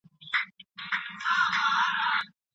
ولي مدام هڅاند د هوښیار انسان په پرتله لوړ مقام نیسي؟